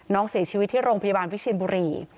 น้องเสียชีวิตที่โรงพยาบาลวิเชียนบุรี